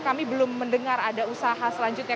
kami belum mendengar ada usaha selanjutnya